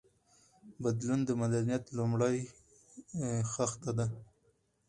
بدلون د مدنيت لومړۍ خښته ده.